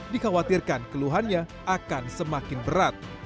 dikhawatirkan keluhannya akan semakin berat